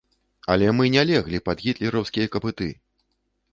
Але мы не леглі пад гітлераўскія капыты!